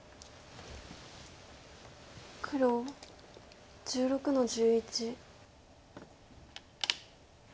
黒１６の十一。